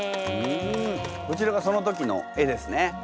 こちらがその時の絵ですね。